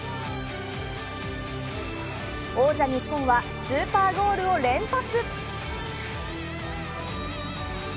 王者・日本はスーパーゴールを連発。